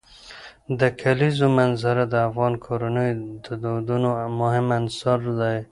د کلیزو منظره د افغان کورنیو د دودونو مهم عنصر دی.